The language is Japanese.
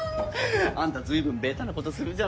あんたずいぶんベタなことするじゃない。